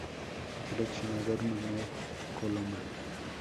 Seleccionador: Manuel Coloma.